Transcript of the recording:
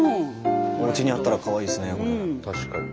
おうちにあったらかわいいですねこれ。